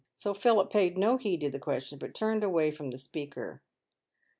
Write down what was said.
So Philip paid no heed to the question, but turned away from the speaker.